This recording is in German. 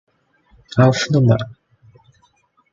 Auf Nr.